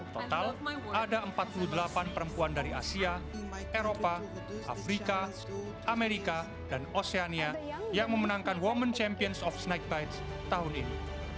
total ada empat puluh delapan perempuan dari asia eropa afrika amerika dan oceania yang memenangkan women champions of snakebites tahun ini